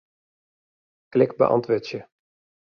Klik Beäntwurdzje.